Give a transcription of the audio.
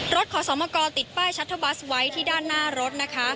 ขอสมกติดป้ายชัตเทอร์บัสไว้ที่ด้านหน้ารถนะคะ